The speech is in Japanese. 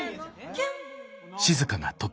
キュン。